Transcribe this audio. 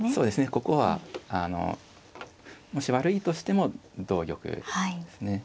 ここはあのもし悪いとしても同玉ですね。